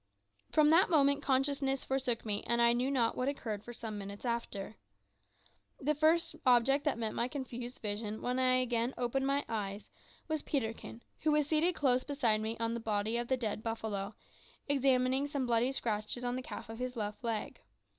From that moment consciousness forsook me, and I knew not what had occurred for some minutes after. The first object that met my confused vision when I again opened my eyes was Peterkin, who was seated close beside me on the body of the dead buffalo, examining some bloody scratches on the calf of his left leg.